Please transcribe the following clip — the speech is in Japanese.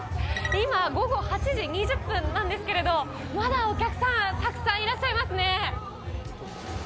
今、午後８時２０分なんですけれども、まだお客さん、たくさんいらっしゃいますね。